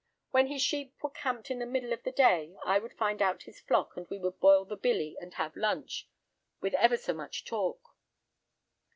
"When his sheep were camped in the middle of the day I would find out his flock, and we would boil the billy and have lunch, with ever so much talk.